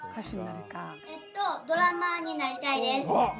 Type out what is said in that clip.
えっとドラマーになりたいです。